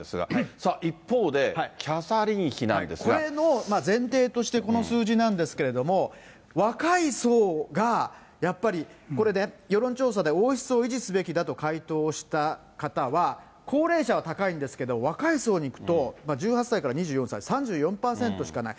さあ、一方でキャサリン妃なんでこれの前提として、この数字なんですけれども、若い層がやっぱり、これね、世論調査で王室を維持すべきだと回答した方は、高齢者は高いんですけど、若い層に聞くと、１８歳から２４歳、３４％しかない。